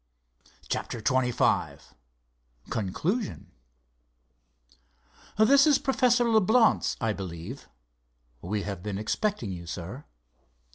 CHAPTER XXV CONCLUSION "This is Professor Leblance, I believe? We have been expecting you, sir."